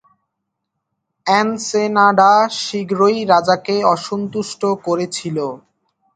Ensenada শীঘ্রই রাজাকে অসন্তুষ্ট করেছিল।